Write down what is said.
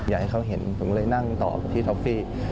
อยากให้เขาเห็นผมเลยนั่งต่อไปที่ท็อฟฟี่